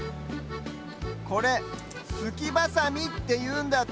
これ「すきバサミ」っていうんだって！